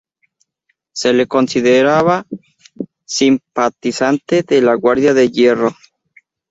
Se le consideraba simpatizante de la Guardia de Hierro.